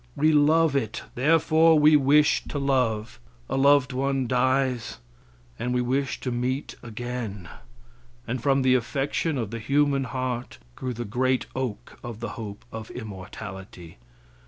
We love it; therefore we wish to love. A loved ones dies, and we wish to meet again, and from the affection of the human heart grew the great oak of the hope of immortality.